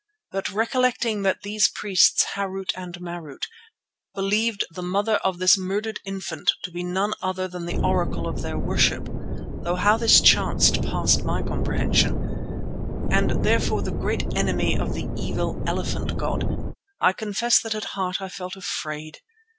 But, recollecting that these priests, Harût and Marût, believed the mother of this murdered infant to be none other than the oracle of their worship (though how this chanced passed my comprehension), and therefore the great enemy of the evil elephant god, I confess that at heart I felt afraid.